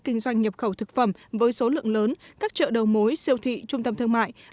kinh doanh nhập khẩu thực phẩm với số lượng lớn các chợ đầu mối siêu thị trung tâm thương mại